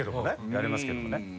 やりますけどもね。